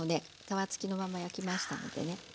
皮付きのまま焼きましたのでね。